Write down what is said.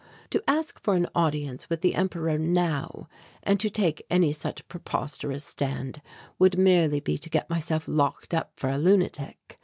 To ask for an audience with the Emperor now, and to take any such preposterous stand would merely be to get myself locked up for a lunatic.